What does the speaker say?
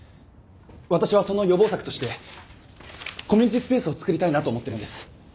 私はその予防策としてコミュニティスペースを作りたいなと思ってるんです。